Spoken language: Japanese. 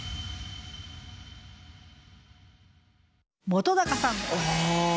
本さん。